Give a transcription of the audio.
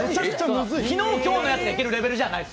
昨日、今日のやつがいけるレベルじゃない。